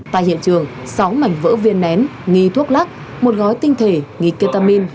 tại hiện trường sáu mảnh vỡ viên nén nghì thuốc lắc một gói tinh thể nghì ketamine